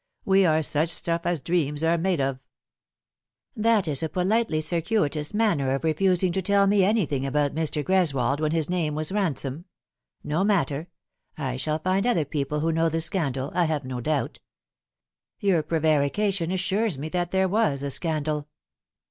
We are such stuff as dreams are made of." " That is a politely circuitous manner of refusing to tell me anything about Mr. Greswold when his name was Kansome. No matter. I shall find other people who know the scandal, I have no doubt. Your prevarication assures me that there was a scandal."